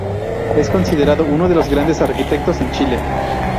Es considerado uno de los Grandes Arquitectos en Chile.